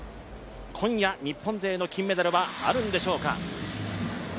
今夜日本勢の金メダルはあるんでしょうか。